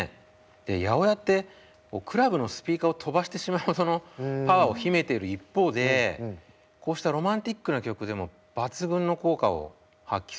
８０８ってクラブのスピーカーを飛ばしてしまうほどのパワーを秘めている一方でこうしたロマンチックな曲でも抜群の効果を発揮するんですよね。